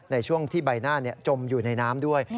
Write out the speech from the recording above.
ในช่วงที่ใบหน้าจมอยู่ในน้ำด้วย